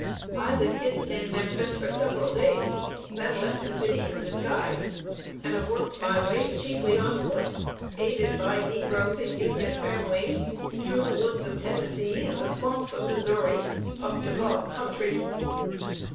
I was hidden in Memphis for several days, then left the city in disguise, and have worked my way, chiefly on foot, aided by negroes and Union families, through the woods of Tennessee and the swamps of Missouri up to God's country."